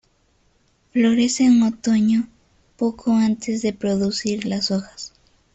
Florece en otoño, poco antes de producir las hojas.